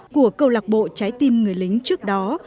của câu lạc bộ trái tim người lính trước đó